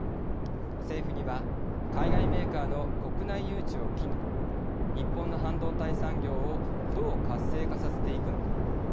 政府には海外メーカーの国内誘致を機に日本の半導体産業をどう活性化させていくのか。